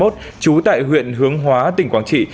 trú tại huyện hướng hóa tỉnh quảng trị